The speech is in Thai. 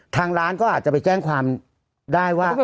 ทางร้านก็อาจจะไปแจ้งความได้ว่า